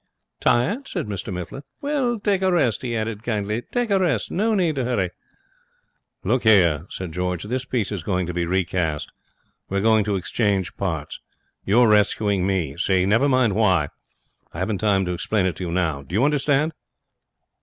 'Tired?' said Mr Mifflin. 'Well, take a rest,' he added, kindly, 'take a rest. No need to hurry.' 'Look here,' said George, 'this piece is going to be recast. We're going to exchange parts. You're rescuing me. See? Never mind why. I haven't time to explain it to you now. Do you understand?'